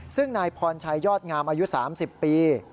ซึ่งนายพรชัยยอดงามอายุ๓๐ปี